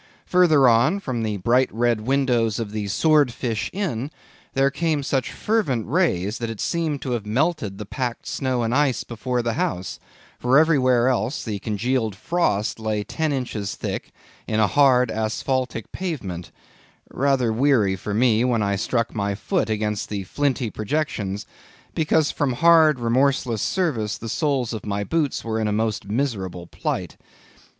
Further on, from the bright red windows of the "Sword Fish Inn," there came such fervent rays, that it seemed to have melted the packed snow and ice from before the house, for everywhere else the congealed frost lay ten inches thick in a hard, asphaltic pavement,—rather weary for me, when I struck my foot against the flinty projections, because from hard, remorseless service the soles of my boots were in a most miserable plight.